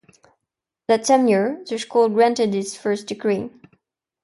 That same year, the school granted its first degree.